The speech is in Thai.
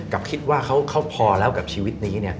คิดว่าเขาพอแล้วกับชีวิตนี้